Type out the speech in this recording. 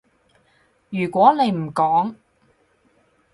如果你唔講